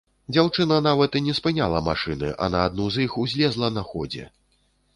Дзяўчына нават і не спыняла машыны, а на адну з іх узлезла на ходзе.